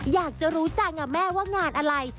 อยากจะรู้จังแม่ว่างานอะไร